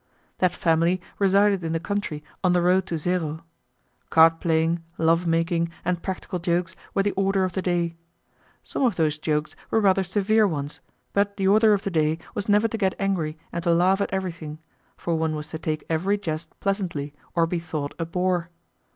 That family resided in the country on the road to Zero. Card playing, lovemaking, and practical jokes were the order of the day. Some of those jokes were rather severe ones, but the order of the day was never to get angry and to laugh at everything, for one was to take every jest pleasantly or be thought a bore.